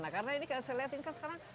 karena ini kan saya liatin kan sekarang